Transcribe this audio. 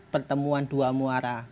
pertemuan dua muara